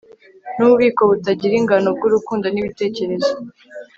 nububiko butagira ingano bwurukundo nibitekerezo